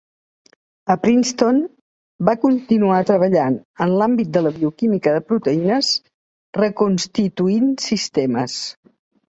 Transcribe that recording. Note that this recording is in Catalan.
A Princeton, va continuar treballant en l'àmbit de la bioquímica de proteïnes, reconstituint sistemes.